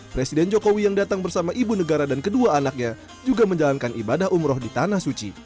presiden jokowi yang datang bersama ibu negara dan kedua anaknya juga menjalankan ibadah umroh di tanah suci